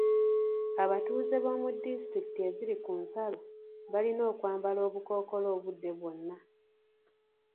Abatuuze b'omu disitulikiti eziri ku nsalo balina okwambala obukookolo obudde bwonna.